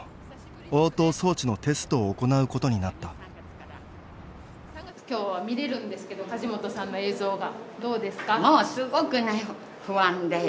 応答装置のテストを行うことになった今日は見れるんですけど梶本さんの映像が。